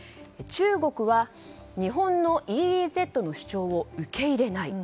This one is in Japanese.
中国は日本のＥＥＺの主張を受け入れない。